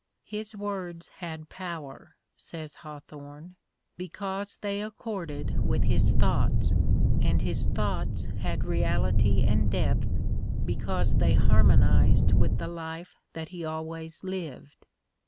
" His words had power," says Hawthorne, " be cause they accorded with his thoughts, and his thoughts had reality and depth because they harmonised with the life that he always lived."